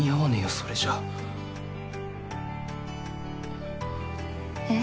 それじゃあえっ？